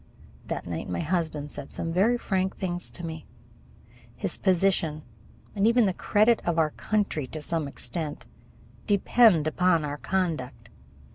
That night my husband said some very frank things to me. His position, and even the credit of our country to some extent, depended upon our conduct.